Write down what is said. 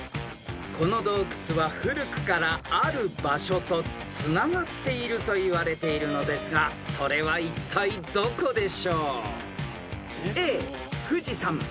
［この洞窟は古くからある場所とつながっているといわれているのですがそれはいったいどこでしょう？］